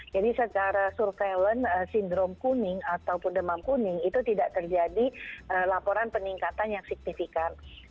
secara surveillance sindrom kuning ataupun demam kuning itu tidak terjadi laporan peningkatan yang signifikan